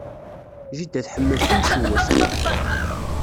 Jida tḥemmel timcewwect.